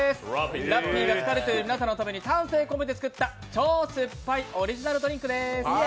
ラッピーが疲れている皆さんのために丹精込めて作った超酸っぱいオリジナルドリンクです。